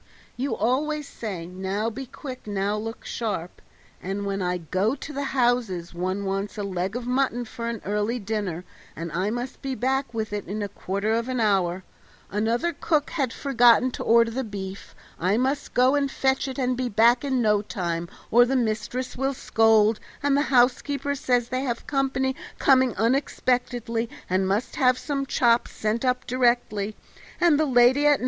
"You always say, 'Now be quick; now look sharp!' and when I go to the houses one wants a leg of mutton for an early dinner and I must be back with it in a quarter of an hour; another cook has forgotten to order the beef; I must go and fetch it and be back in no time, or the mistress will scold; and the housekeeper says they have company coming unexpectedly and must have some chops sent up directly; and the lady at No.